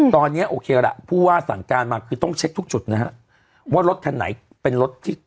ตอนนี้โอเคละผู้ว่าสั่งการมาคือต้องเช็คทุกจุดนะฮะว่ารถคันไหนเป็นรถที่